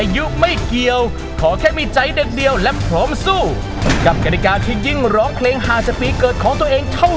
เด็กเดียวและพร้อมสู้กับกระดิกาที่ยิ่งร้องเกรงหาสปีกเกิดของตัวเองเท่า